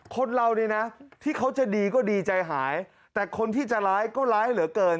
คนเราเนี่ยนะที่เขาจะดีก็ดีใจหายแต่คนที่จะร้ายก็ร้ายเหลือเกิน